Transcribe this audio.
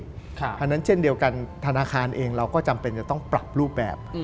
เพราะฉะนั้นเช่นเดียวกันธนาคารเองเราก็จำเป็นจะต้องปรับรูปแบบ